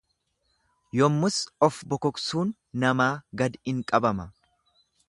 Yommus of bokoksuun namaa gad in qabama.